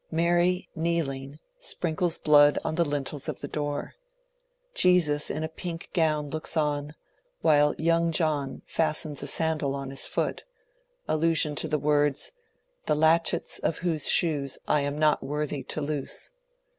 Mary kneeling sprinkles blood on the lintels of the door. Jesus in a pink gown looks on, while young John fastens a sandal on his foot — allusion to the words, ^* the latchets of whose shoes I am not worthy to loose."